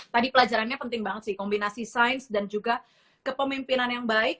tadi pelajarannya penting banget sih kombinasi sains dan juga kepemimpinan yang baik